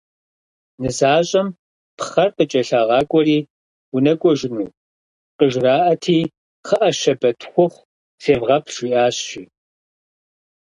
Нысащӏэм пхъэр къыкӏэлъагъакӏуэри «унэкӏуэжыну?» къыжыраӏати, «Кхъыӏэ, щэбэт хъуху севгъэплъ», жиӏащ жи.